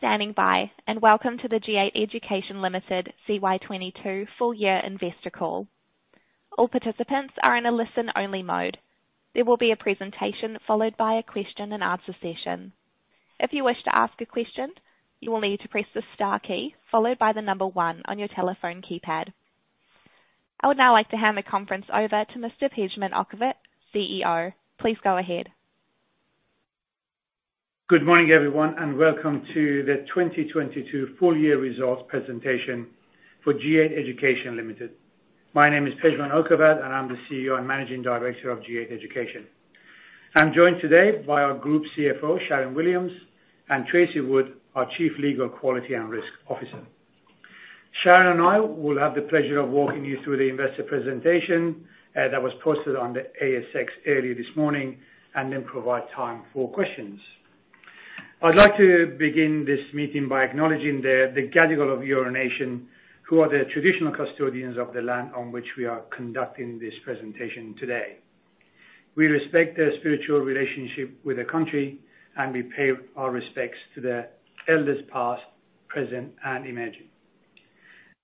Thank you for standing by, and welcome to the G8 Education Limited CY 2022 full year investor call. All participants are in a listen-only mode. There will be a presentation followed by a question and answer session. If you wish to ask a question, you will need to press the star key followed by the number one on your telephone keypad. I would now like to hand the conference over to Mr. Pejman Okhavat, CEO. Please go ahead. Good morning, everyone, and welcome to the 2022 full-year results presentation for G8 Education Limited. My name is Pejman Okhavat, and I'm the CEO and Managing Director of G8 Education. I'm joined today by our Group CFO, Sharyn Williams, and Tracey Wood, our Chief Legal Quality and Risk Officer. Sharyn and I will have the pleasure of walking you through the investor presentation that was posted on the ASX earlier this morning, and then provide time for questions. I'd like to begin this meeting by acknowledging the Gadigal of Eora Nation, who are the traditional custodians of the land on which we are conducting this presentation today. We respect their spiritual relationship with the Country, and we pay our respects to their elders past, present, and emerging.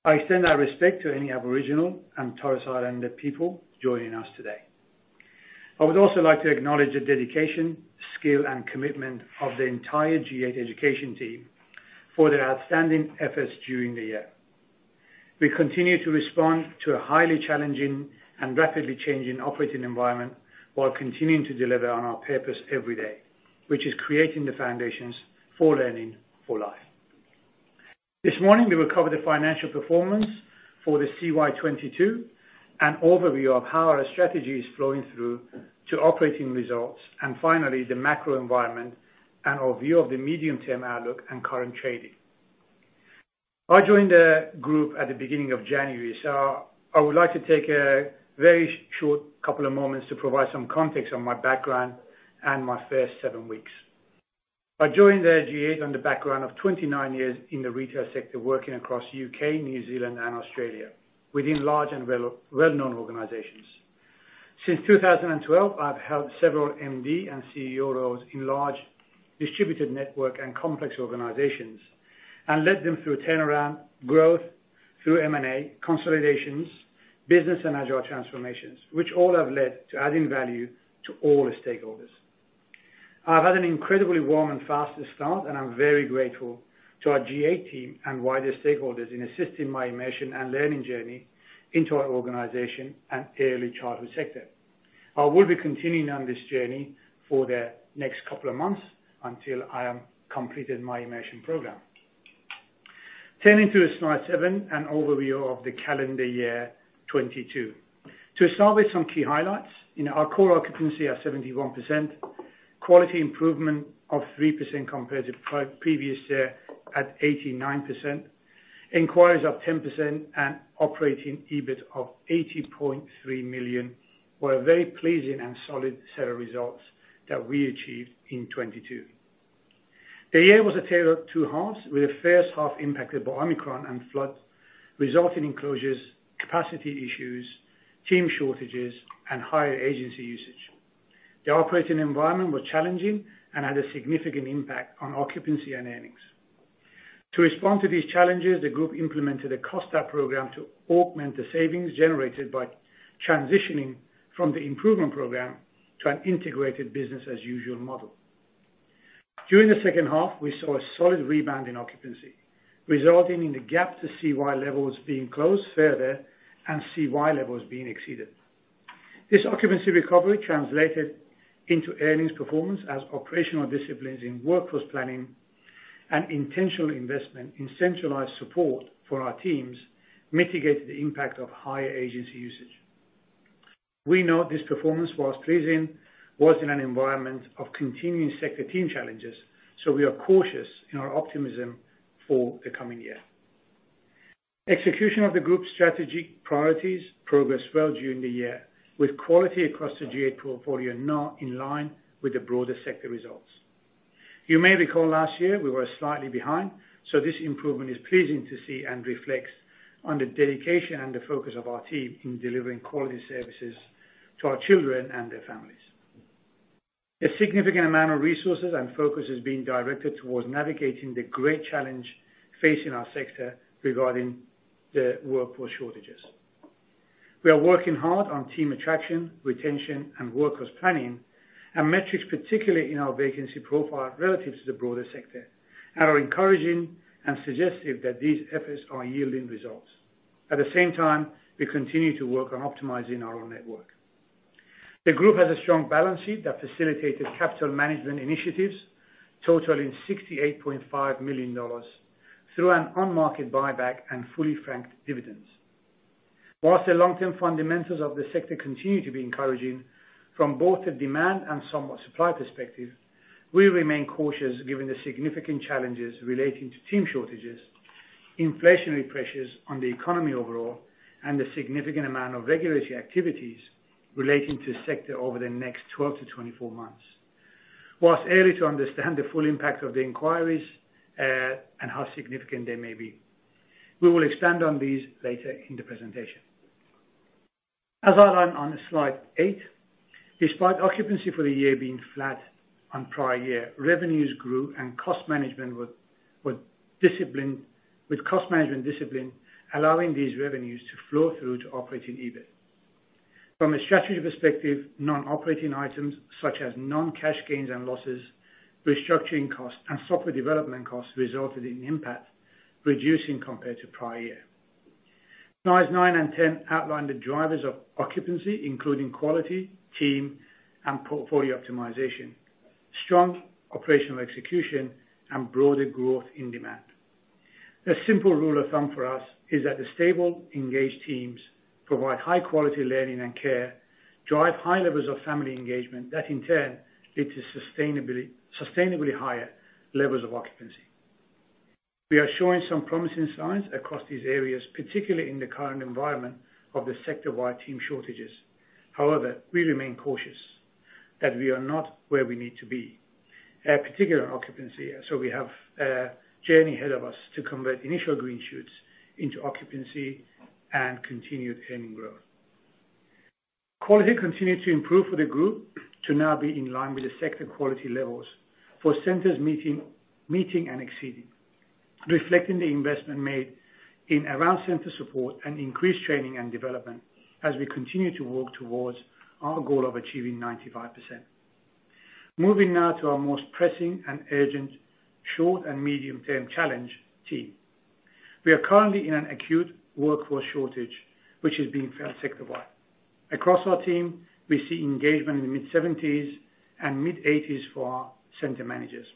I extend our respect to any Aboriginal and Torres Strait Islander people joining us today. I would also like to acknowledge the dedication, skill, and commitment of the entire G8 Education team for their outstanding efforts during the year. We continue to respond to a highly challenging and rapidly changing operating environment while continuing to deliver on our purpose every day, which is creating the foundations for learning for life. This morning we will cover the financial performance for the CY 2022, an overview of how our strategy is flowing through to operating results, and finally, the macro environment and our view of the medium-term outlook and current trading. I joined the group at the beginning of January, I would like to take a very short couple of moments to provide some context on my background and my first seven weeks. I joined the G8 on the background of 29 years in the retail sector, working across U.K., New Zealand, and Australia within large and well-known organizations. Since 2012, I've held several MD and CEO roles in large distributed network and complex organizations and led them through turnaround growth through M&A consolidations, business and agile transformations, which all have led to adding value to all the stakeholders. I've had an incredibly warm and fast start. I'm very grateful to our G8 team and wider stakeholders in assisting my immersion and learning journey into our organization and early childhood sector. I will be continuing on this journey for the next couple of months until I am completed my immersion program. Turning to slide seven, an overview of the calendar year 2022. To start with some key highlights. In our core occupancy of 71%, quality improvement of 3% compared to previous year at 89%, inquiries up 10% and operating EBIT of 80.3 million were a very pleasing and solid set of results that we achieved in 2022. The year was a tale of two halves, with the first half impacted by Omicron and floods, resulting in closures, capacity issues, team shortages and higher agency usage. The operating environment was challenging and had a significant impact on occupancy and earnings. To respond to these challenges, the group implemented a cost out program to augment the savings generated by transitioning from the improvement program to an integrated business as usual model. During the second half, we saw a solid rebound in occupancy, resulting in the gap to CY levels being closed further and CY levels being exceeded. This occupancy recovery translated into earnings performance as operational disciplines in workforce planning and intentional investment in centralized support for our teams mitigated the impact of higher agency usage. We know this performance while pleasing, was in an environment of continuing sector team challenges, so we are cautious in our optimism for the coming year. Execution of the group's strategic priorities progressed well during the year, with quality across the G8 portfolio now in line with the broader sector results. You may recall last year we were slightly behind, so this improvement is pleasing to see and reflects on the dedication and the focus of our team in delivering quality services to our children and their families. A significant amount of resources and focus is being directed towards navigating the great challenge facing our sector regarding the workforce shortages. We are working hard on team attraction, retention and workforce planning and metrics, particularly in our vacancy profile relative to the broader sector, and are encouraging and suggestive that these efforts are yielding results. At the same time, we continue to work on optimizing our network. The group has a strong balance sheet that facilitated capital management initiatives totaling 68.5 million dollars through an on-market buyback and fully franked dividends. Whilst the long-term fundamentals of the sector continue to be encouraging from both the demand and somewhat supply perspective, we remain cautious given the significant challenges relating to team shortages, inflationary pressures on the economy overall, and the significant amount of regulatory activities relating to the sector over the next 12 months-24 months. Whilst early to understand the full impact of the inquiries, and how significant they may be, we will expand on these later in the presentation. As outlined on Slide eight, despite occupancy for the year being flat on prior year, revenues grew and cost management discipline, allowing these revenues to flow through to operating EBIT. From a strategic perspective, non-operating items such as non-cash gains and losses, restructuring costs, and software development costs resulted in impact reducing compared to prior year. Slides nine and 10 outline the drivers of occupancy, including quality, team, and portfolio optimization, strong operational execution, and broader growth in demand. The simple rule of thumb for us is that the stable, engaged teams provide high quality learning and care, drive high levels of family engagement that in turn lead to sustainably higher levels of occupancy. We are showing some promising signs across these areas, particularly in the current environment of the sector-wide team shortages. However, we remain cautious that we are not where we need to be, particular occupancy, so we have a journey ahead of us to convert initial green shoots into occupancy and continued earning growth. Quality continued to improve for the group to now be in line with the sector quality levels for centers meeting and exceeding, reflecting the investment made in around center support and increased training and development as we continue to work towards our goal of achieving 95%. Moving now to our most pressing and urgent short and medium-term challenge, team. We are currently in an acute workforce shortage, which is being felt sector-wide. Across our team, we see engagement in the mid-70%s and mid-80%s for our center managers.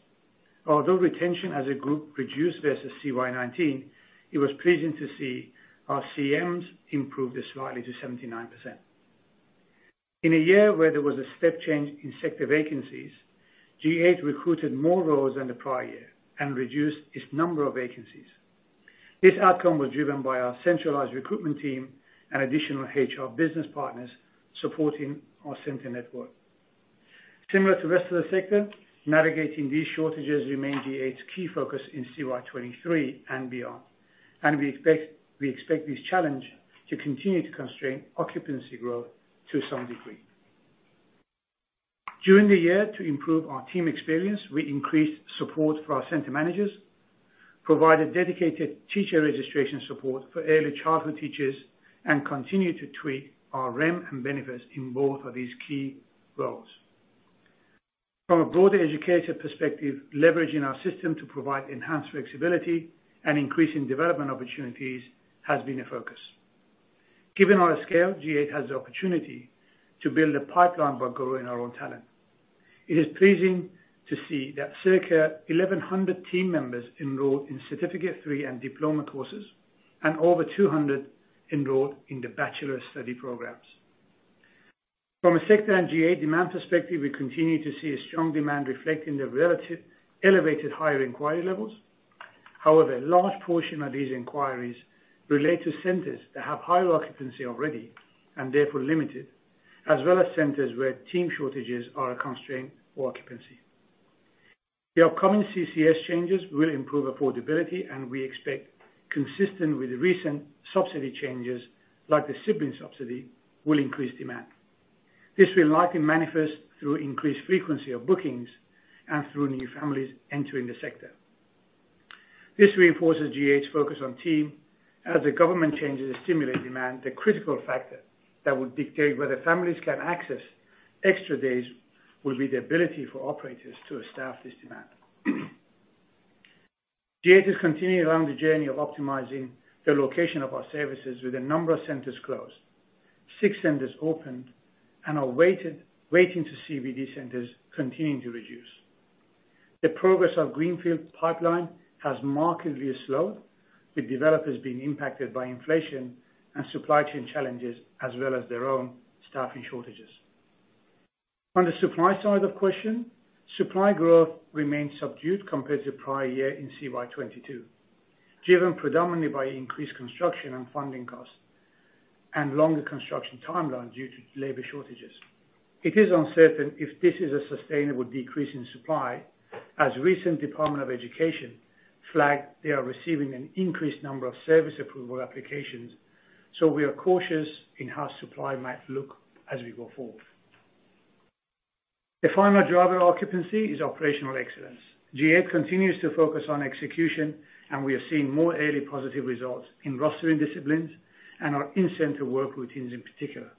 Although retention as a group reduced versus CY 2019, it was pleasing to see our CMs improve this slightly to 79%. In a year where there was a step change in sector vacancies, G8 recruited more roles than the prior year and reduced its number of vacancies. This outcome was driven by our centralized recruitment team and additional HR business partners supporting our center network. Similar to the rest of the sector, navigating these shortages remains G8's key focus in CY 2023 and beyond. We expect this challenge to continue to constrain occupancy growth to some degree. During the year to improve our team experience, we increased support for our center managers, provided dedicated teacher registration support for Early Childhood Teachers, and continued to tweak our REM and benefits in both of these key roles. From a broader educator perspective, leveraging our system to provide enhanced flexibility and increasing development opportunities has been a focus. Given our scale, G8 has the opportunity to build a pipeline by growing our own talent. It is pleasing to see that circa 1,100 team members enrolled in Certificate III and diploma courses and over 200 enrolled in the bachelor study programs. From a sector and G8 demand perspective, we continue to see a strong demand reflecting the relative elevated higher inquiry levels. A large portion of these inquiries relate to centers that have higher occupancy already, and therefore limited, as well as centers where team shortages are a constraint for occupancy. The upcoming CCS changes will improve affordability, and we expect consistent with the recent subsidy changes, like the sibling subsidy, will increase demand. This will likely manifest through increased frequency of bookings and through new families entering the sector. This reinforces G8's focus on team as the government changes to stimulate demand, the critical factor that will dictate whether families can access extra days will be the ability for operators to staff this demand. G8 is continuing along the journey of optimizing the location of our services with a number of centers closed. Six centers opened and waiting to CBD centers continuing to reduce. The progress of Greenfield pipeline has markedly slowed, with developers being impacted by inflation and supply chain challenges as well as their own staffing shortages. On the supply side of question, supply growth remains subdued compared to prior year in CY 2022, driven predominantly by increased construction and funding costs and longer construction timelines due to labor shortages. It is uncertain if this is a sustainable decrease in supply, as recent Department of Education flagged they are receiving an increased number of service approval applications. We are cautious in how supply might look as we go forward. The final driver occupancy is operational excellence. G8 continues to focus on execution, and we are seeing more early positive results in rostering disciplines and our in-center work routines in particular.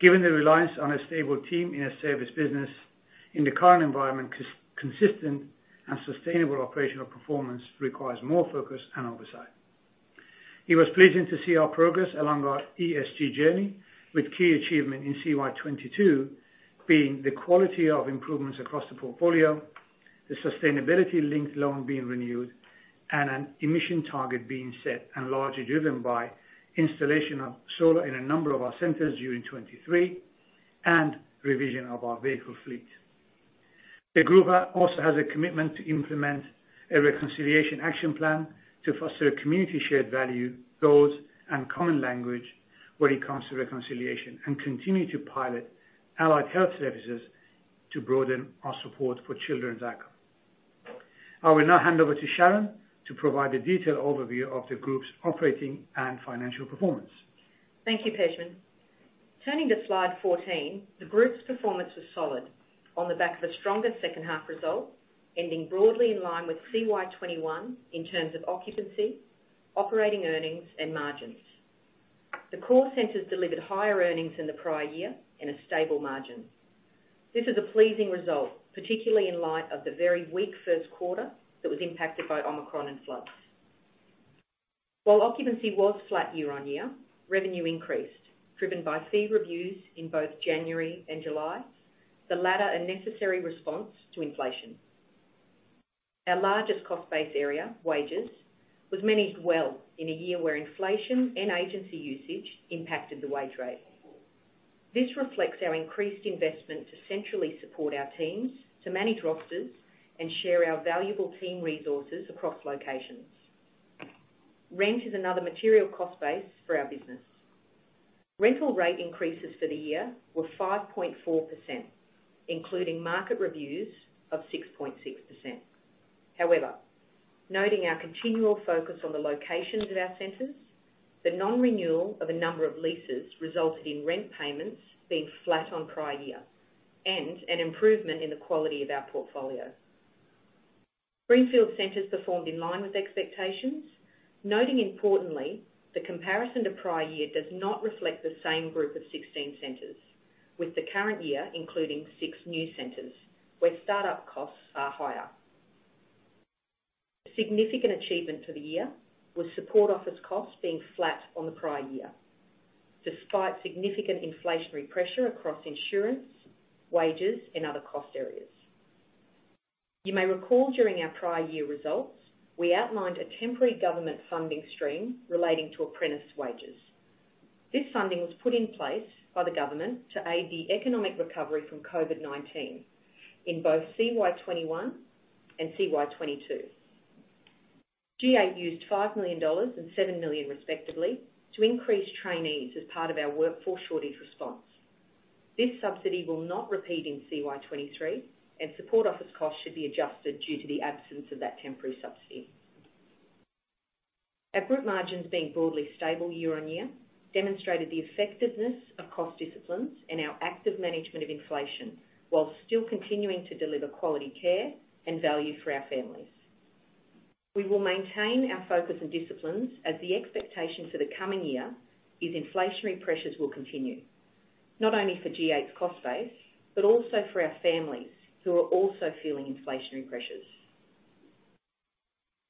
Given the reliance on a stable team in a service business in the current environment, consistent and sustainable operational performance requires more focus and oversight. It was pleasing to see our progress along our ESG journey with key achievement in CY 2022 being the quality of improvements across the portfolio, the sustainability-linked loan being renewed, and an emission target being set and largely driven by installation of solar in a number of our centers during 2023 and revision of our vehicle fleet. The group also has a commitment to implement a Reconciliation Action Plan to foster community shared value, goals, and common language when it comes to reconciliation and continue to pilot allied health services to broaden our support for children's outcome. I will now hand over to Sharyn to provide a detailed overview of the group's operating and financial performance. Thank you, Pejman. Turning to slide 14, the group's performance was solid on the back of the strongest second half result, ending broadly in line with CY 2021 in terms of occupancy, operating earnings, and margins. The core centers delivered higher earnings in the prior year and a stable margin. This is a pleasing result, particularly in light of the very weak first quarter that was impacted by Omicron and floods. While occupancy was flat year-on-year, revenue increased, driven by fee reviews in both January and July, the latter a necessary response to inflation. Our largest cost base area, wages, was managed well in a year where inflation and agency usage impacted the wage rate. This reflects our increased investment to centrally support our teams, to manage rosters, and share our valuable team resources across locations. Rent is another material cost base for our business. Rental rate increases for the year were 5.4%, including market reviews of 6.6%. However, noting our continual focus on the locations of our centers, the non-renewal of a number of leases resulted in rent payments being flat on prior year and an improvement in the quality of our portfolio. Greenfield centers performed in line with expectations, noting importantly, the comparison to prior year does not reflect the same group of 16 centers, with the current year including six new centers, where start-up costs are higher. Significant achievement for the year was support office costs being flat on the prior year, despite significant inflationary pressure across insurance, wages, and other cost areas. You may recall during our prior year results, we outlined a temporary government funding stream relating to apprentice wages. This funding was put in place by the government to aid the economic recovery from COVID-19 in both CY 2021 and CY 2022. G8 used $5 million and $7 million respectively to increase trainees as part of our workforce shortage response. This subsidy will not repeat in CY 2023. Support office costs should be adjusted due to the absence of that temporary subsidy. Our group margins being broadly stable year-on-year demonstrated the effectiveness of cost disciplines and our active management of inflation while still continuing to deliver quality care and value for our families. We will maintain our focus and disciplines as the expectation for the coming year is inflationary pressures will continue, not only for G8's cost base, but also for our families who are also feeling inflationary pressures.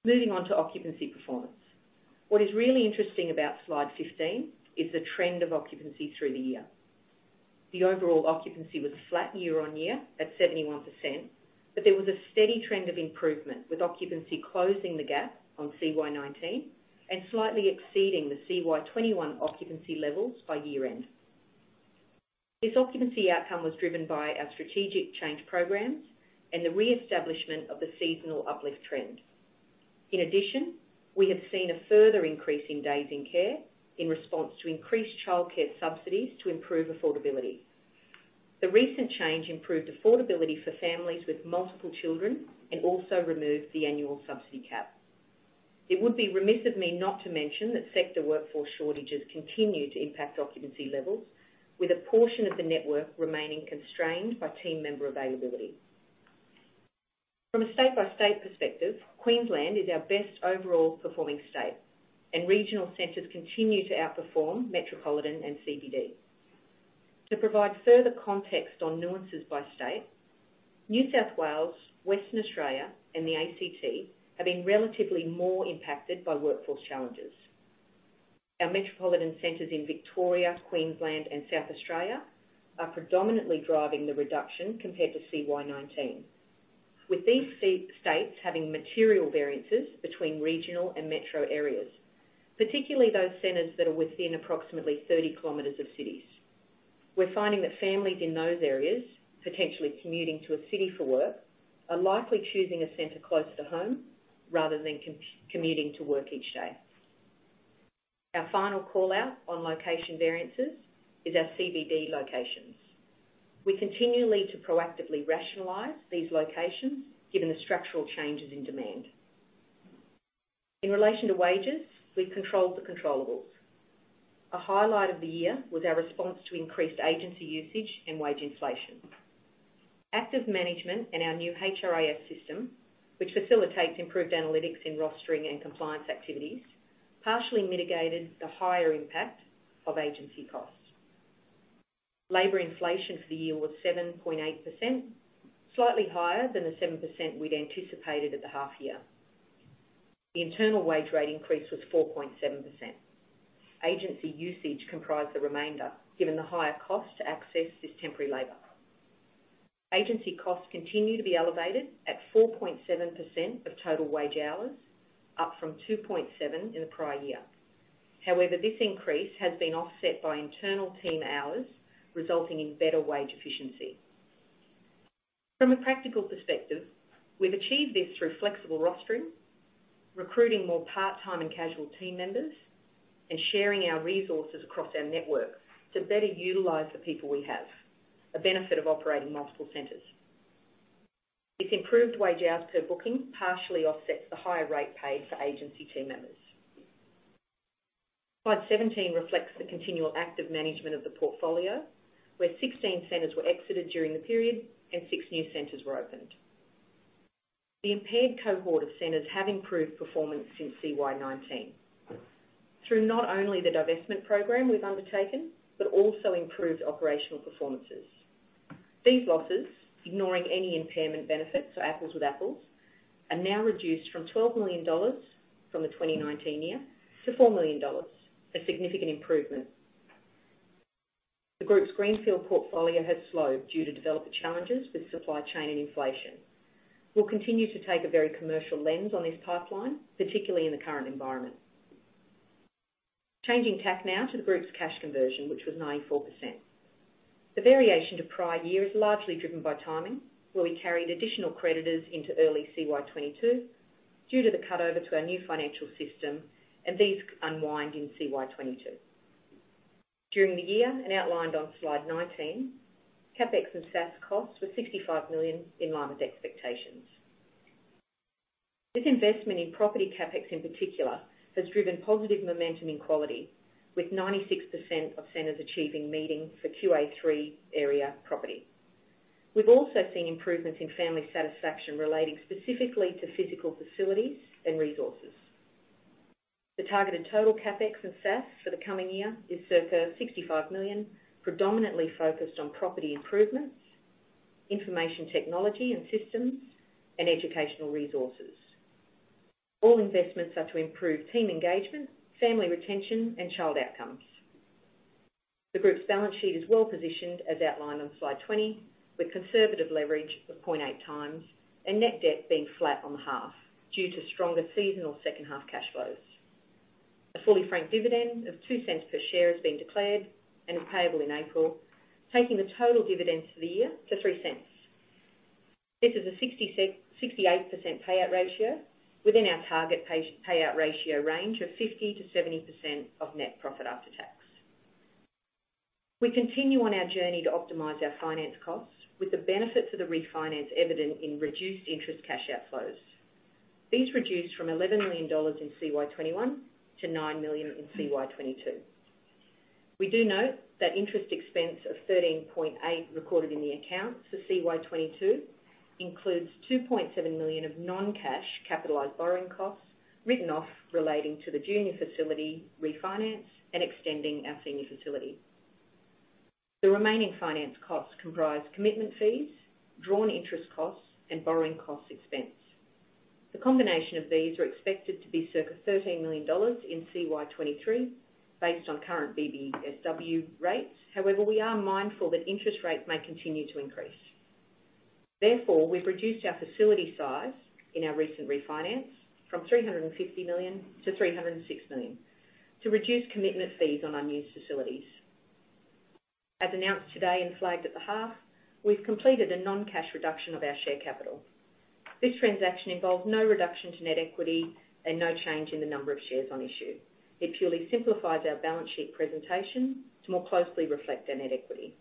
Moving on to occupancy performance. What is really interesting about slide 15 is the trend of occupancy through the year. The overall occupancy was flat year-on-year at 71%, but there was a steady trend of improvement, with occupancy closing the gap on CY 2019 and slightly exceeding the CY 2021 occupancy levels by year-end. This occupancy outcome was driven by our strategic change programs and the reestablishment of the seasonal uplift trend. In addition, we have seen a further increase in days in care in response to increased childcare subsidies to improve affordability. The recent change improved affordability for families with multiple children and also removed the annual subsidy cap. It would be remiss of me not to mention that sector workforce shortages continue to impact occupancy levels, with a portion of the network remaining constrained by team member availability. From a state-by-state perspective, Queensland is our best overall performing state, and regional centers continue to outperform metropolitan and CBD. To provide further context on nuances by state, New South Wales, Western Australia, and the ACT have been relatively more impacted by workforce challenges. Our metropolitan centers in Victoria, Queensland, and South Australia are predominantly driving the reduction compared to CY 2019. With these states having material variances between regional and metro areas, particularly those centers that are within approximately 30 km of cities. We're finding that families in those areas, potentially commuting to a city for work, are likely choosing a center closer to home rather than commuting to work each day. Our final call-out on location variances is our CBD locations. We continually to proactively rationalize these locations given the structural changes in demand. In relation to wages, we've controlled the controllables. A highlight of the year was our response to increased agency usage and wage inflation. Active management in our new HRIS system, which facilitates improved analytics in rostering and compliance activities, partially mitigated the higher impact of agency costs. Labor inflation for the year was 7.8%, slightly higher than the 7% we'd anticipated at the half year. The internal wage rate increase was 4.7%. Agency usage comprised the remainder, given the higher cost to access this temporary labor. Agency costs continue to be elevated at 4.7% of total wage hours, up from 2.7% in the prior year. This increase has been offset by internal team hours, resulting in better wage efficiency. From a practical perspective, we've achieved this through flexible rostering, recruiting more part-time and casual team members and sharing our resources across our network to better utilize the people we have, a benefit of operating multiple centers. This improved wage hours per booking partially offsets the higher rate paid for agency team members. Slide 17 reflects the continual active management of the portfolio, where 16 centers were exited during the period and six new centers were opened. The impaired cohort of centers have improved performance since CY 2019 through not only the divestment program we've undertaken, but also improved operational performances. These losses, ignoring any impairment benefits, so apples with apples, are now reduced from 12 million dollars from the 2019 year to 4 million dollars, a significant improvement. The group's greenfield portfolio has slowed due to developer challenges with supply chain and inflation. We'll continue to take a very commercial lens on this pipeline, particularly in the current environment. Changing tack now to the group's cash conversion, which was 94%. The variation to prior year is largely driven by timing, where we carried additional creditors into early CY 2022 due to the cut over to our new financial system, and these unwind in CY 2022. During the year and outlined on slide 19, CapEx and SaaS costs were 65 million, in line with expectations. This investment in property CapEx in particular has driven positive momentum in quality, with 96% of centers achieving meetings for QA3 area property. We've also seen improvements in family satisfaction relating specifically to physical facilities and resources. The targeted total CapEx and SaaS for the coming year is circa 65 million, predominantly focused on property improvements, information technology and systems, and educational resources. All investments are to improve team engagement, family retention, and child outcomes. The group's balance sheet is well-positioned, as outlined on Slide 20, with conservative leverage of 0.8x and net debt being flat on the half due to stronger seasonal second-half cash flows. A fully franked dividend of 0.02 per share has been declared and payable in April, taking the total dividends for the year to 0.03. This is a 68% payout ratio within our target pay-payout ratio range of 50%-70% of net profit after tax. We continue on our journey to optimize our finance costs with the benefit to the refinance evident in reduced interest cash outflows. These reduced from 11 million dollars in CY 2021 to 9 million in CY 2022. We do note that interest expense of 13.8 recorded in the accounts for CY 2022 includes 2 million of non-cash capitalized borrowing costs written off relating to the junior facility refinance and extending our senior facility. The remaining finance costs comprise commitment fees, drawn interest costs, and borrowing costs expense. The combination of these are expected to be circa AUD 13 million in CY 2023 based on current BBSW rates. We are mindful that interest rates may continue to increase. We've reduced our facility size in our recent refinance from 350 million to 306 million to reduce commitment fees on unused facilities. As announced today and flagged at the half, we've completed a non-cash reduction of our share capital. This transaction involved no reduction to net equity and no change in the number of shares on issue. It purely simplifies our balance sheet presentation to more closely reflect our net equity.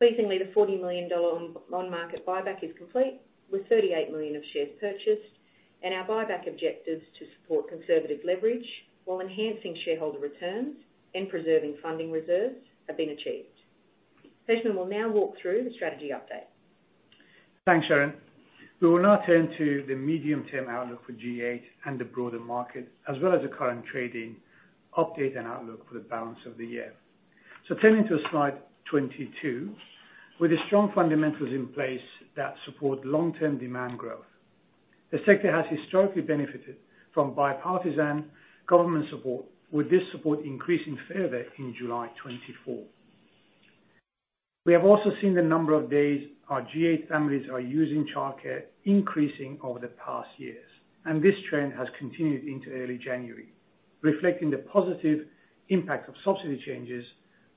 Pleasingly, the 40 million dollar on-market buyback is complete, with 38 million of shares purchased, and our buyback objectives to support conservative leverage while enhancing shareholder returns and preserving funding reserves have been achieved. Sharyn will now walk through the strategy update. Thanks, Sharyn. We will now turn to the medium-term outlook for G8 and the broader market, as well as the current trading update and outlook for the balance of the year. Turning to slide 22, with the strong fundamentals in place that support long-term demand growth, the sector has historically benefited from bipartisan government support, with this support increasing further in July 2024. We have also seen the number of days our G8 families are using childcare increasing over the past years, and this trend has continued into early January, reflecting the positive impact of subsidy changes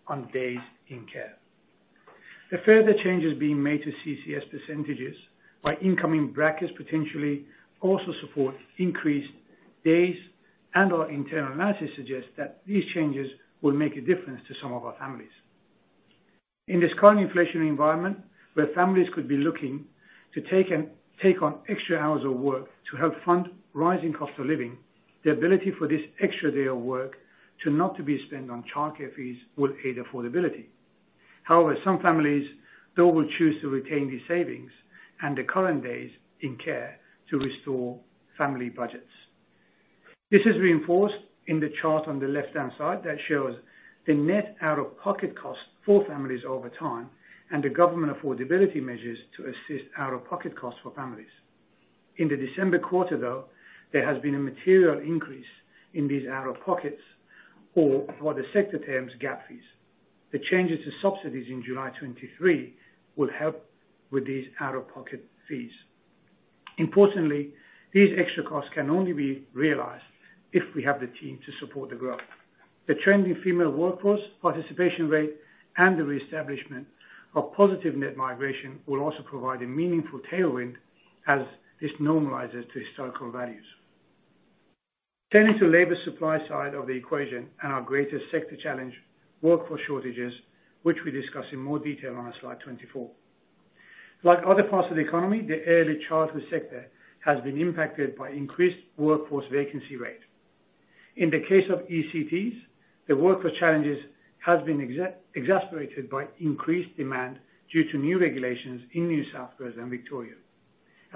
on days in care. The further changes being made to CCS percentages by incoming brackets potentially also support increased days. Our internal analysis suggests that these changes will make a difference to some of our families. In this current inflationary environment, where families could be looking to take on extra hours of work to help fund rising cost of living, the ability for this extra day of work to not to be spent on childcare fees will aid affordability. Some families, though, will choose to retain these savings and the current days in care to restore family budgets. This is reinforced in the chart on the left-hand side that shows the net out-of-pocket cost for families over time and the government affordability measures to assist out-of-pocket costs for families. In the December quarter, though, there has been a material increase in these out-of-pockets, or what the sector terms gap fees. The changes to subsidies in July 2023 will help with these out-of-pocket fees. Importantly, these extra costs can only be realized if we have the team to support the growth. The trend in female workforce participation rate and the reestablishment of positive net migration will also provide a meaningful tailwind as this normalizes to historical values. Turning to labor supply side of the equation and our greatest sector challenge, workforce shortages, which we discuss in more detail on slide 24. Like other parts of the economy, the early childhood sector has been impacted by increased workforce vacancy rate. In the case of ECTs, the workforce challenges has been exacerbated by increased demand due to new regulations in New South Wales and Victoria,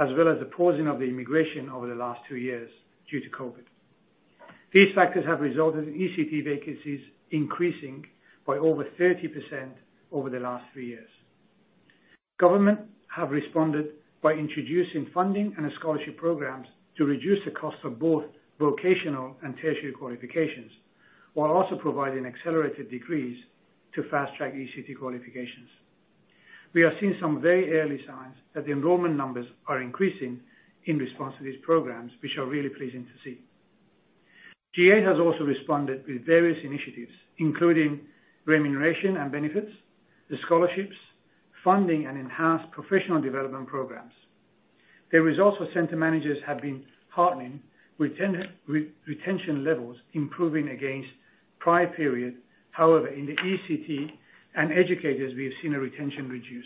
as well as the pausing of the immigration over the last two years due to COVID. These factors have resulted in ECT vacancies increasing by over 30% over the last three years. Government have responded by introducing funding and scholarship programs to reduce the cost of both vocational and tertiary qualifications, while also providing accelerated degrees to fast-track ECT qualifications. We are seeing some very early signs that the enrollment numbers are increasing in response to these programs, which are really pleasing to see. G8 has also responded with various initiatives, including remuneration and benefits, the scholarships, funding and enhanced professional development programs. The results for center managers have been heartening, retention levels improving against prior periods. However, in the ECT and educators, we have seen a retention reduce.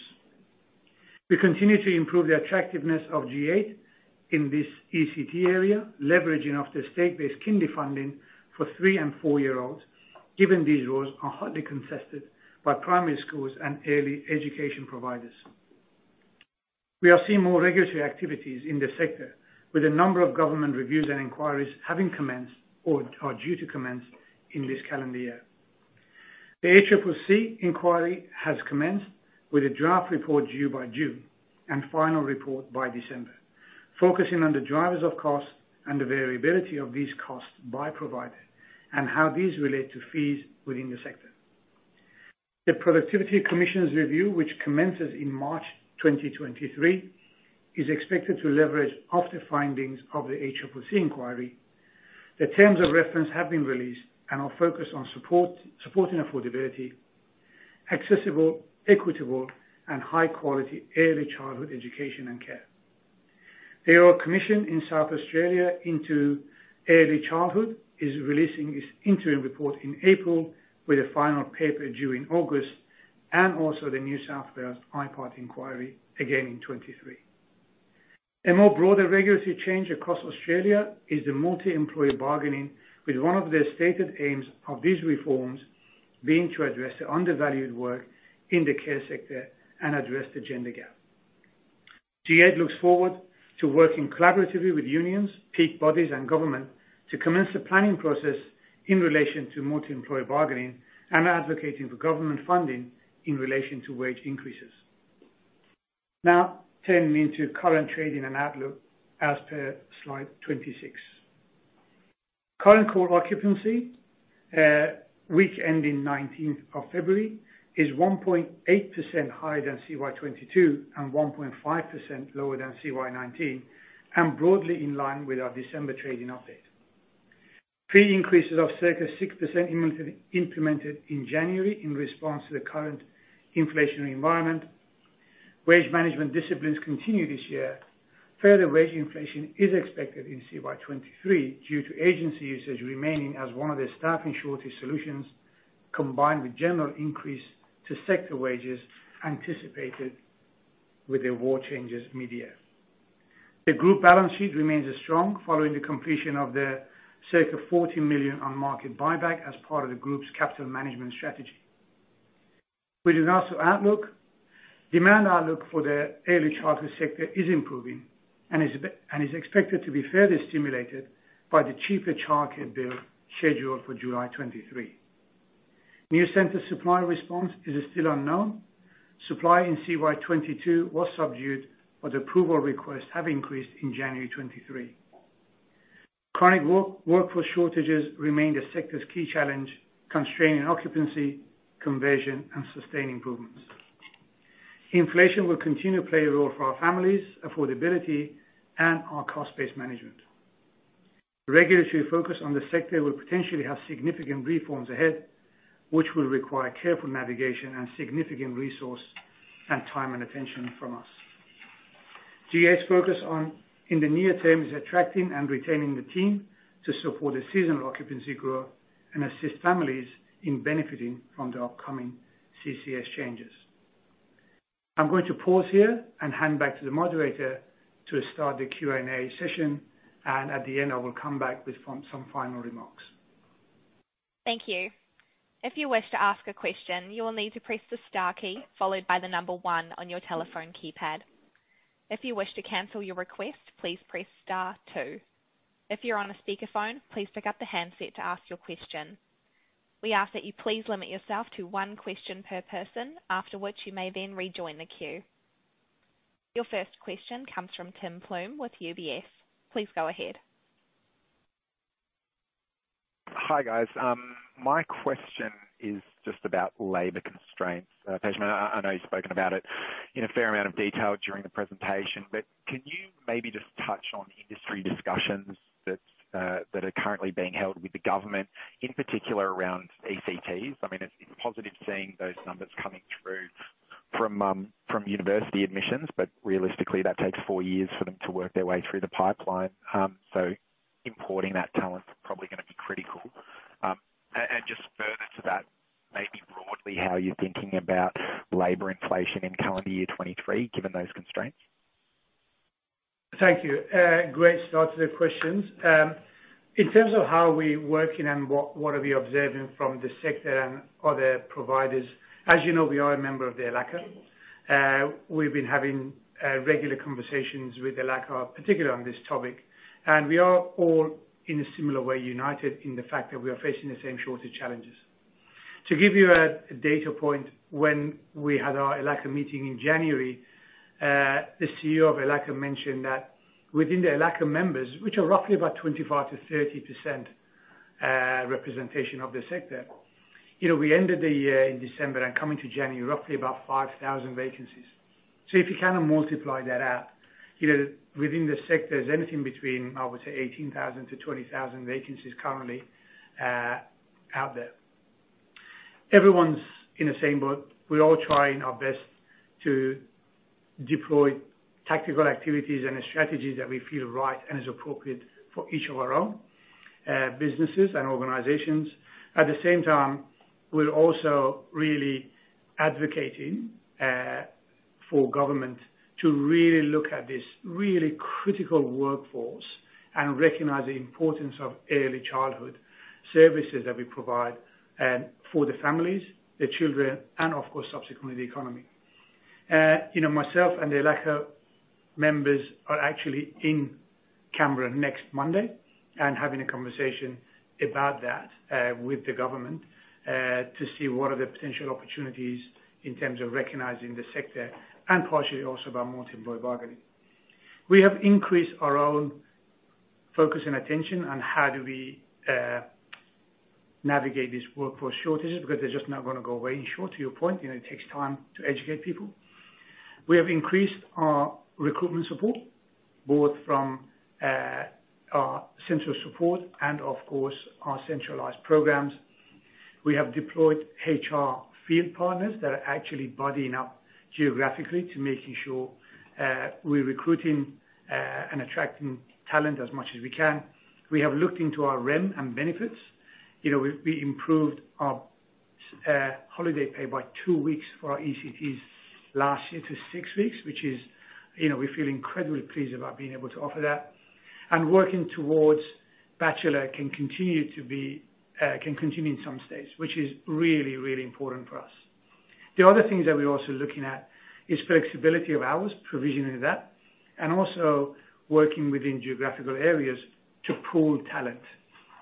We continue to improve the attractiveness of G8 in this ECT area, leveraging off the state-based kindly funding for three and four-year-olds, given these roles are hardly contested by primary schools and early education providers. We are seeing more regulatory activities in the sector with a number of government reviews and inquiries having commenced or are due to commence in this calendar year. The ACCC inquiry has commenced with a draft report due by June and final report by December, focusing on the drivers of costs and the variability of these costs by provider and how these relate to fees within the sector. The Productivity Commission's review, which commences in March 2023, is expected to leverage off the findings of the ACCC inquiry. The terms of reference have been released and are focused on support, supporting affordability, accessible, equitable and high-quality early childhood education and care. The Royal Commission in South Australia into Early Childhood is releasing its interim report in April, with a final paper due in August, and also the New South Wales IPART inquiry again in 2023. A more broader regulatory change across Australia is the multi-employer bargaining, with one of the stated aims of these reforms being to address the undervalued work in the care sector and address the gender gap. G8 looks forward to working collaboratively with unions, peak bodies, and government to commence the planning process in relation to multi-employer bargaining and advocating for government funding in relation to wage increases. Turning to current trading and outlook as per slide 26. Current core occupancy, week ending 19th of February is 1.8% higher than CY 2022 and 1.5% lower than CY 2019, and broadly in line with our December trading update. Fee increases of circa 6% implemented in January in response to the current inflationary environment. Wage management disciplines continue this year. Further wage inflation is expected in CY 2023 due to agency usage remaining as one of the staffing shortage solutions, combined with general increase to sector wages anticipated with the award changes mid-year. The group balance sheet remains strong following the completion of the circa 40 million on-market buyback as part of the group's capital management strategy. Moving now to outlook. Demand outlook for the early childhood sector is improving and is expected to be further stimulated by the cheaper Child Care bill scheduled for July 2023. New center supply response is still unknown. Supply in CY 2022 was subdued. Approval requests have increased in January 2023. Chronic workforce shortages remain the sector's key challenge, constraining occupancy, conversion, and sustained improvements. Inflation will continue to play a role for our families, affordability, and our cost-based management. Regulatory focus on the sector will potentially have significant reforms ahead, which will require careful navigation and significant resource and time and attention from us. G8's focus in the near term is attracting and retaining the team to support a seasonal occupancy growth and assist families in benefiting from the upcoming CCS changes. I'm going to pause here and hand back to the moderator to start the Q&A session, and at the end, I will come back with some final remarks. Thank you. If you wish to ask a question, you will need to press the star key followed by the one on your telephone keypad. If you wish to cancel your request, please press star 2. If you're on a speakerphone, please pick up the handset to ask your question. We ask that you please limit yourself to one question per person, after which you may then rejoin the queue. Your first question comes from Tim Plumbe with UBS. Please go ahead. Hi, guys. My question is just about labor constraints. Pejman, I know you've spoken about it. In a fair amount of detail during the presentation, but can you maybe just touch on industry discussions that are currently being held with the government, in particular around ECTs? I mean, it's positive seeing those numbers coming through from university admissions, but realistically that takes four years for them to work their way through the pipeline. Importing that talent is probably gonna be critical. Just further to that, maybe broadly, how you're thinking about labor inflation in calendar year 2023, given those constraints. Thank you. Great start to the questions. In terms of how we're working and what are we observing from the sector and other providers, you know, we are a member of the ELACCA. We've been having regular conversations with ELACCA, particularly on this topic, and we are all, in a similar way, united in the fact that we are facing the same shortage challenges. To give you a data point, when we had our ELACCA meeting in January, the CEO of ELACCA mentioned that within the ELACCA members, which are roughly about 25%-30% representation of the sector. You know, we ended the year in December and coming to January, roughly about 5,000 vacancies. If you kind of multiply that out, you know, within the sector, there's anything between, I would say 18,000 to 20,000 vacancies currently out there. Everyone's in the same boat. We're all trying our best to deploy tactical activities and the strategies that we feel right and is appropriate for each of our own businesses and organizations. At the same time, we're also really advocating for government to really look at this really critical workforce and recognize the importance of early childhood services that we provide for the families, the children, and of course, subsequently, the economy. You know, myself and the ELACCA members are actually in Canberra next Monday and having a conversation about that with the government to see what are the potential opportunities in terms of recognizing the sector and partially also about multi-employer bargaining. We have increased our own focus and attention on how do we navigate these workforce shortages, because they're just not gonna go away any short. To your point, you know, it takes time to educate people. We have increased our recruitment support, both from our central support and of course our centralized programs. We have deployed HR field partners that are actually budding up geographically to making sure we're recruiting and attracting talent as much as we can. We have looked into our REM and benefits. You know, we improved our holiday pay by two weeks for our ECTs last year to six weeks, which is, you know, we feel incredibly pleased about being able to offer that. Working towards Bachelor can continue in some states, which is really, really important for us. The other things that we're also looking at is flexibility of hours, provisioning that, and also working within geographical areas to pool talent.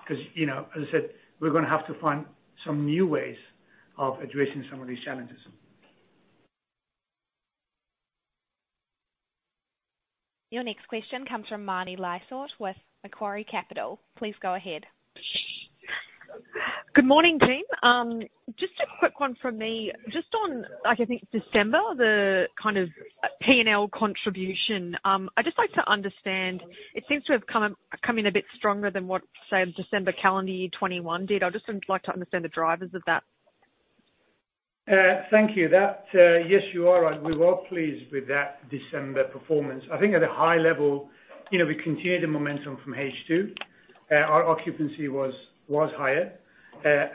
'Cause, you know, as I said, we're gonna have to find some new ways of addressing some of these challenges. Your next question comes from [Marnie Loughnan] with Macquarie Capital. Please go ahead. Good morning, team. Just a quick one from me. Just on, like I think December, the kind of P&L contribution. I'd just like to understand. It seems to have come in a bit stronger than what, say, December calendar year 2021 did. I'd just like to understand the drivers of that. Thank you. That, yes, you are right. We were pleased with that December performance. I think at a high level, you know, we continued the momentum from H2. Our occupancy was higher.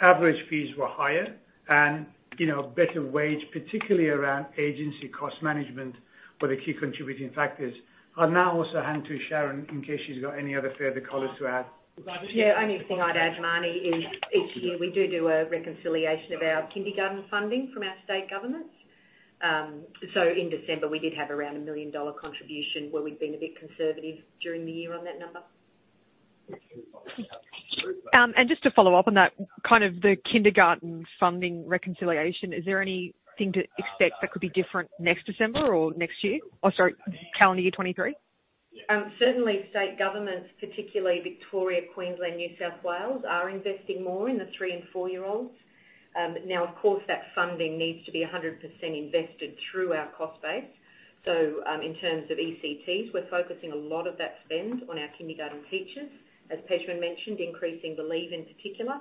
Average fees were higher. You know, better wage, particularly around agency cost management, were the key contributing factors. I'll now also hand to Sharyn in case she's got any other further colors to add. Yeah. Only thing I'd add, [Marnie], is each year we do a reconciliation of our kindergarten funding from our state governments. So in December, we did have around an 1 million dollar contribution where we'd been a bit conservative during the year on that number. Just to follow up on that, kind of the kindergarten funding reconciliation, is there anything to expect that could be different next December or next year? Oh, sorry, calendar year 2023. Certainly state governments, particularly Victoria, Queensland, New South Wales, are investing more in the three and four-year-olds. Now of course, that funding needs to be 100% invested through our cost base. In terms of ECTs, we're focusing a lot of that spend on our kindergarten teachers. As Pejman mentioned, increasing the leave in particular.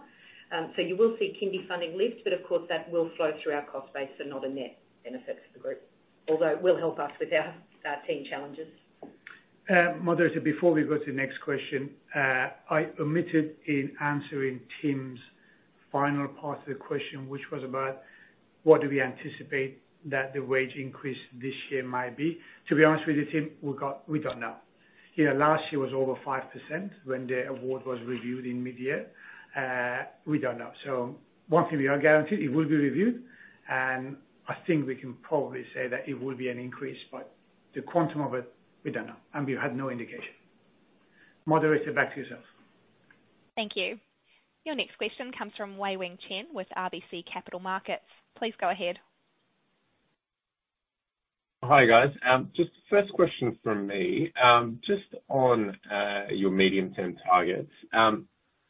You will see kindy funding lifts, but of course, that will flow through our cost base and not a net benefit to the group. Although it will help us with our team challenges. Moderator, before we go to the next question, I omitted in answering Tim's final part of the question, which was about what do we anticipate that the wage increase this year might be? To be honest with you, Tim, we don't know. You know, last year was over 5% when the award was reviewed in mid-year. We don't know. One thing we are guaranteed, it will be reviewed, and I think we can probably say that it will be an increase, but the quantum of it, we don't know, and we have no indication. Moderator, back to yourself. Thank you. Your next question comes from Wei-Weng Chen with RBC Capital Markets. Please go ahead. Hi, guys. Just first question from me. Just on your medium-term targets,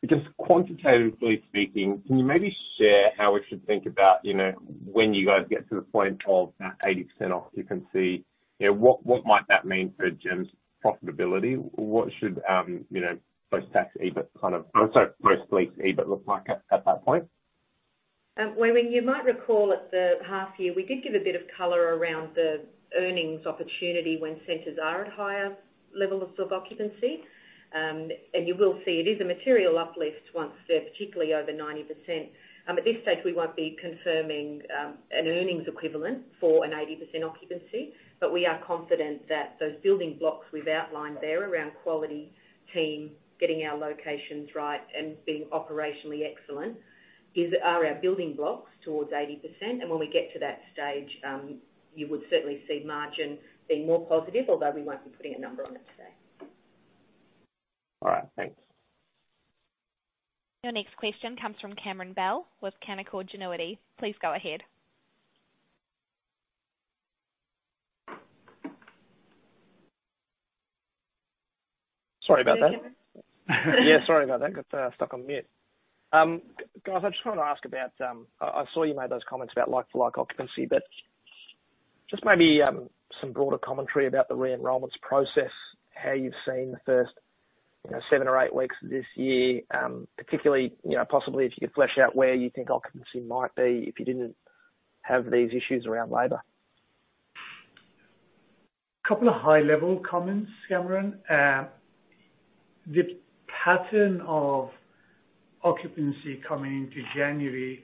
just quantitatively speaking, can you maybe share how we should think about, you know, when you guys get to the point of that 80% occupancy, you know, what might that mean for G8's profitability? What should, you know, I'm sorry, post-lease EBIT look like at that point? Well, when you might recall at the half year, we did give a bit of color around the earnings opportunity when centers are at higher level of sub occupancy. You will see it is a material uplift once they're particularly over 90%. At this stage, we won't be confirming an earnings equivalent for an 80% occupancy. We are confident that those building blocks we've outlined there around quality, team, getting our locations right and being operationally excellent are our building blocks towards 80%. When we get to that stage, you would certainly see margin being more positive, although we won't be putting a number on it today. All right, thanks. Your next question comes from Cameron Bell with Canaccord Genuity. Please go ahead. Sorry about that. Yeah, sorry about that. Got stuck on mute. Guys, I'm just trying to ask about, I saw you made those comments about like-for-like occupancy, but just maybe, some broader commentary about the re-enrollments process, how you've seen the first, you know, seven or eight weeks of this year, particularly, you know, possibly if you could flesh out where you think occupancy might be if you didn't have these issues around labor. Couple of high-level comments, Cameron. The pattern of occupancy coming into January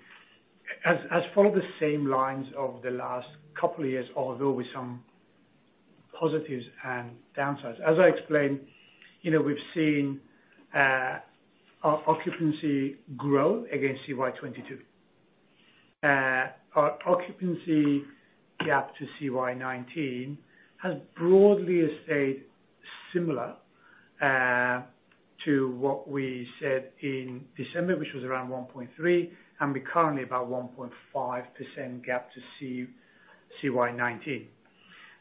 has followed the same lines of the last couple of years, although with some positives and downsides. As I explained, you know, we've seen our occupancy grow against CY 2022. Our occupancy gap to CY 2019 has broadly stayed similar to what we said in December, which was around 1.3%, and we're currently about 1.5% gap to CY 2019.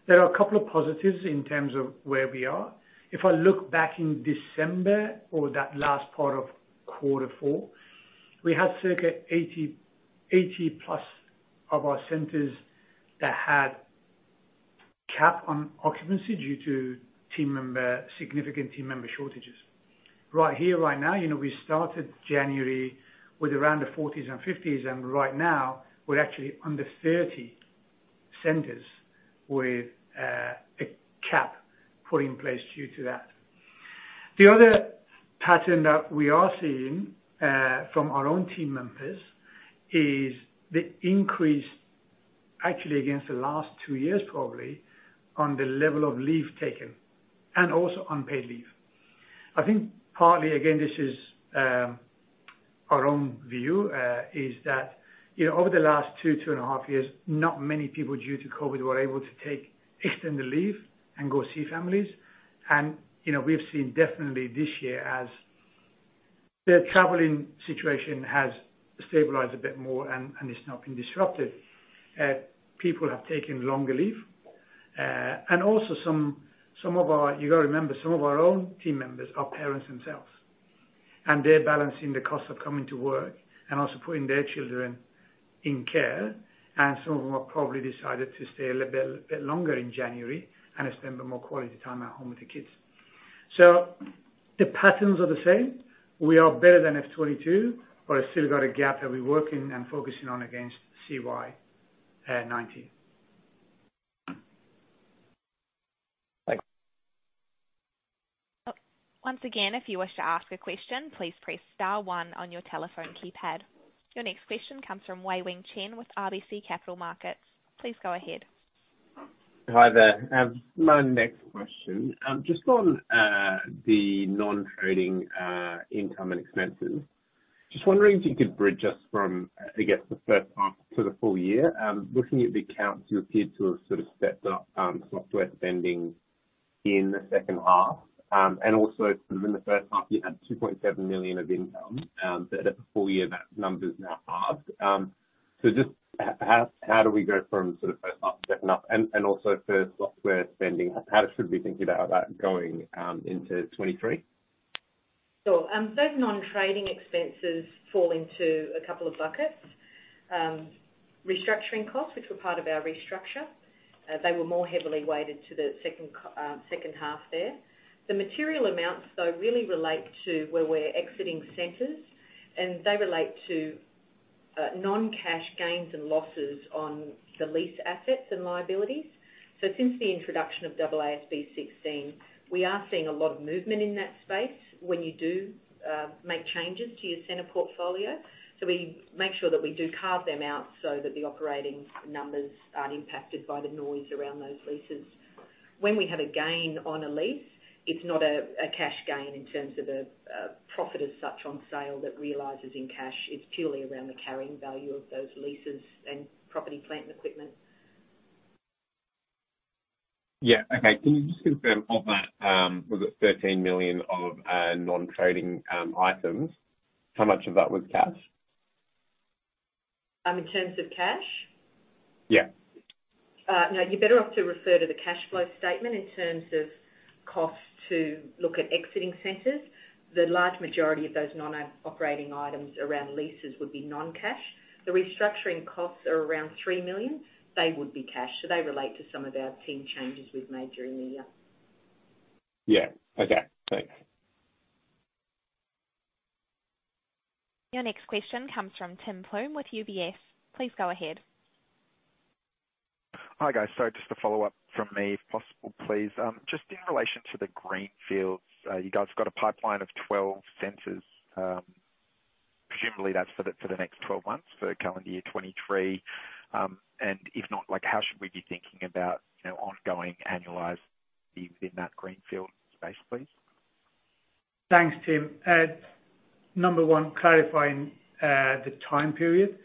There are a couple of positives in terms of where we are. If I look back in December or that last part of quarter four, we had circa 80+ of our centers that had cap on occupancy due to significant team member shortages. Right here, right now, you know, we started January with around the 40s and 50s. Right now we're actually under 30 centers with a cap put in place due to that. The other pattern that we are seeing from our own team members is the increase actually against the last two years, probably, on the level of leave taken and also unpaid leave. I think partly, again, this is our own view, is that, you know, over the last two and a half years, not many people due to COVID were able to take extended leave and go see families. You know, we've seen definitely this year as the traveling situation has stabilized a bit more and it's not been disrupted. People have taken longer leave. Also some of our... You gotta remember, some of our own team members are parents themselves, and they're balancing the cost of coming to work and also putting their children in care. Some of them have probably decided to stay a little bit longer in January and spend more quality time at home with the kids. The patterns are the same. We are better than CY 2022, but we still got a gap that we're working and focusing on against CY 2019. Thanks. Once again, if you wish to ask a question, please press star one on your telephone keypad. Your next question comes from Wei-Weng Chen with RBC Capital Markets. Please go ahead. Hi there. My next question, just on the non-trading income and expenses. Just wondering if you could bridge us from, I guess, the first half to the full year. Looking at the accounts, you appeared to have sort of stepped up software spending in the second half. Also in the first half, you had 2.7 million of income. At the full year, that number's now halved. Just how do we go from sort of first half stepping up and also for software spending, how should we be thinking about that going into 2023? Those non-trading expenses fall into a couple of buckets. Restructuring costs, which were part of our restructure. They were more heavily weighted to the second half there. The material amounts though really relate to where we're exiting centers, and they relate to non-cash gains and losses on the lease assets and liabilities. Since the introduction of AASB 16, we are seeing a lot of movement in that space when you do make changes to your center portfolio. We make sure that we do carve them out so that the operating numbers aren't impacted by the noise around those leases. When we have a gain on a lease, it's not a cash gain in terms of a profit as such on sale that realizes in cash. It's purely around the carrying value of those leases and property plant and equipment. Yeah. Okay. Can you just confirm, of that, was it 13 million of non-trading items? How much of that was cash? In terms of cash? Yeah. No, you're better off to refer to the cash flow statement in terms of costs to look at exiting centers. The large majority of those non-operating items around leases would be non-cash. The restructuring costs are around 3 million. They would be cash. They relate to some of our team changes we've made during the year. Yeah. Okay, thanks. Your next question comes from Tim Plumbe with UBS. Please go ahead. Hi, guys. Just a follow-up from me, if possible, please. Just in relation to the greenfields, you guys got a pipeline of 12 centers. Presumably that's for the, for the next 12 months for current year 2023. If not, like, how should we be thinking about, you know, ongoing annualized fees in that greenfield space, please? Thanks, Tim. Number one, clarifying the time period.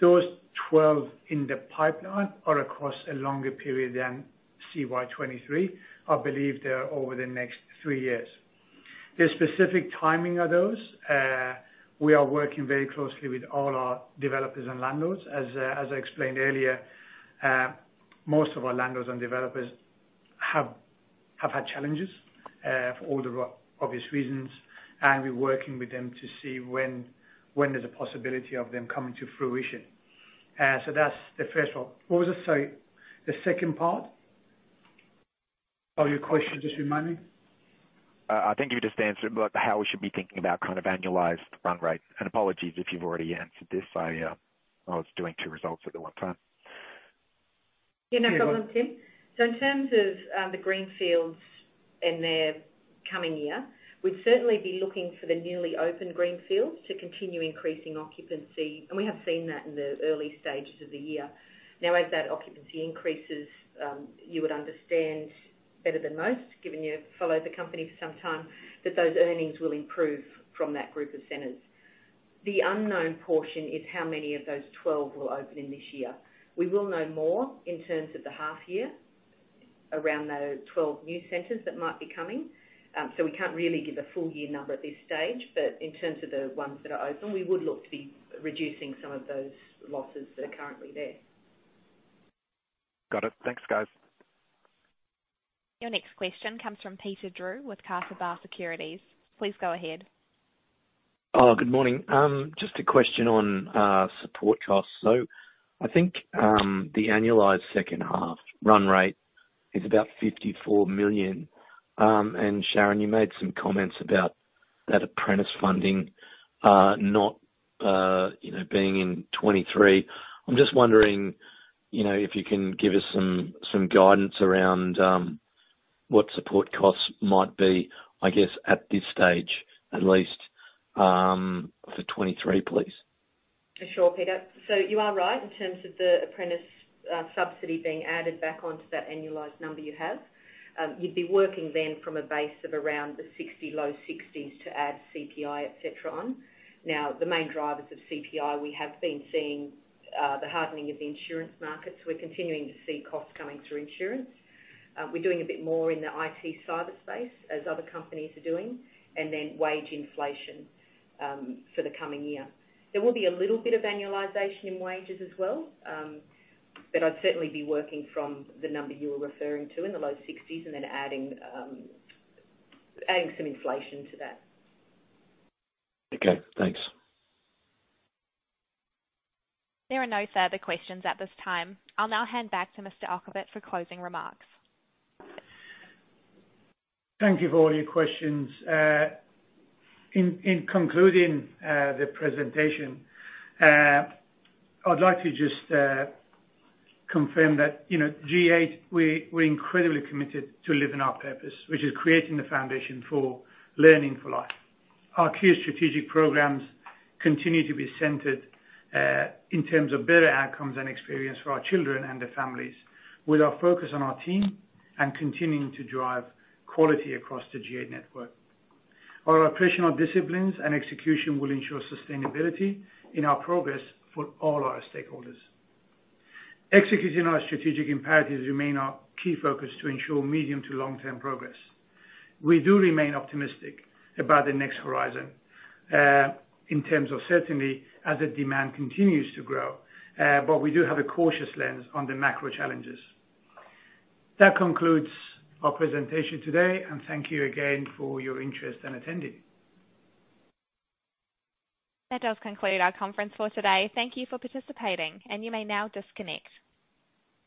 Those 12 in the pipeline are across a longer period than CY 2023. I believe they are over the next three years. The specific timing of those, we are working very closely with all our developers and landlords. As I explained earlier, most of our landlords and developers have had challenges for all the obvious reasons, and we're working with them to see when there's a possibility of them coming to fruition. That's the first one. What was the second part of your question? Just remind me. I think you just answered, but how we should be thinking about kind of annualized run rate. Apologies if you've already answered this. I was doing two results at the one time. Yeah, no problem, Tim. In terms of the greenfields in their coming year, we'd certainly be looking for the newly opened greenfields to continue increasing occupancy, and we have seen that in the early stages of the year. As that occupancy increases, you would understand better than most, given you've followed the company for some time, that those earnings will improve from that group of centers. The unknown portion is how many of those 12 will open in this year. We will know more in terms of the half year around those 12 new centers that might be coming. We can't really give a full year number at this stage, but in terms of the ones that are open, we would look to be reducing some of those losses that are currently there. Got it. Thanks, guys. Your next question comes from Peter Drew with Carter Bar Securities. Please go ahead. Good morning. Just a question on support costs. I think the annualized second half run rate is about 54 million. Sharyn, you made some comments about that apprentice funding not, you know, being in 2023. I'm just wondering, you know, if you can give us some guidance around what support costs might be, I guess, at this stage, at least, for 2023, please. Sure, Peter. You are right in terms of the apprentice subsidy being added back onto that annualized number you have. You'd be working then from a base of around the 60, low 60s to add CPI, et cetera, on. The main drivers of CPI, we have been seeing the hardening of the insurance markets. We're continuing to see costs coming through insurance. We're doing a bit more in the IT cyber space as other companies are doing, and then wage inflation for the coming year. There will be a little bit of annualization in wages as well. I'd certainly be working from the number you were referring to in the low 60s and then adding some inflation to that. Okay, thanks. There are no further questions at this time. I'll now hand back to Mr. Okhovat for closing remarks. Thank you for all your questions. In concluding the presentation, I'd like to just confirm that, you know, G8, we're incredibly committed to living our purpose, which is creating the foundation for learning for life. Our key strategic programs continue to be centered in terms of better outcomes and experience for our children and their families, with our focus on our team and continuing to drive quality across the G8 network. Our operational disciplines and execution will ensure sustainability in our progress for all our stakeholders. Executing our strategic imperatives remain our key focus to ensure medium to long-term progress. We do remain optimistic about the next horizon in terms of certainty as the demand continues to grow. We do have a cautious lens on the macro challenges. That concludes our presentation today. Thank you again for your interest in attending. That does conclude our conference for today. Thank you for participating, and you may now disconnect.